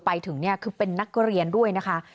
ไปถึงเป็นนักเกอเรียนด้วยนะคะ